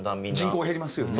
人口減りますよね。